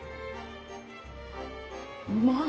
うまい！